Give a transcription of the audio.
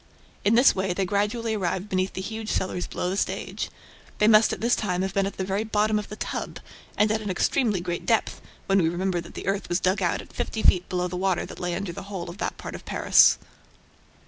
In this way, they gradually arrived beneath the huge cellars below the stage. They must at this time have been at the very bottom of the "tub" and at an extremely great depth, when we remember that the earth was dug out at fifty feet below the water that lay under the whole of that part of Paris.